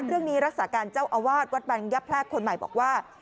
เรื่องนี้รักษาการเจ้าอาวาสวัดบรรยับแพร่คนใหม่บอกว่า